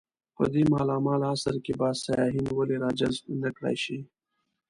په دې مالامال عصر کې به سیاحین ولې راجذب نه کړای شي.